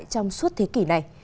tồn tại trong suốt thế kỷ này